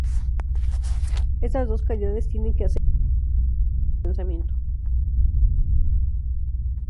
Estas dos calidades tienen que hacer de la obra un clásico del pensamiento.